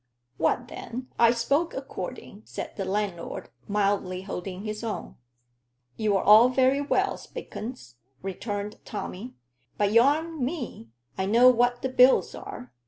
"What then? I spoke according," said the landlord, mildly holding his own. "You're all very well, Spilkins," returned Tommy, "but y'aren't me. I know what the bills are.